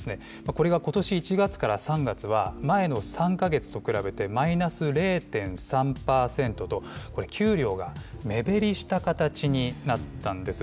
これがことし１月から３月は、前の３か月と比べて、マイナス０．３％と、これ、給料が目減りした形になったんです。